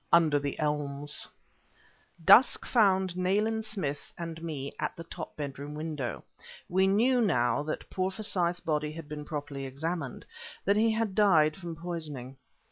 UNDER THE ELMS Dusk found Nayland Smith and me at the top bedroom window. We knew, now that poor Forsyth's body had been properly examined, that he had died from poisoning.